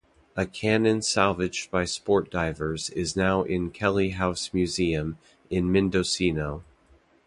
A cannon salvaged by sport divers is now in Kelley House Museum in Mendocino.